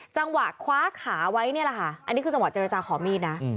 จังหวะคว้าขาไว้นี่แหละค่ะอันนี้คือจังหวะเจรจาขอมีดนะ